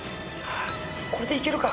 これで行けるか？